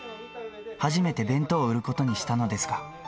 初めて弁当を売ることにしたのですが。